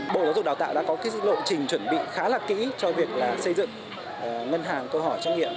bộ giáo dục đào tạo đã có cái lộ trình chuẩn bị khá là kỹ cho việc xây dựng ngân hàng câu hỏi trách nghiệm